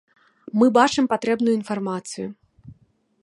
Мы бачым патрэбную інфармацыю.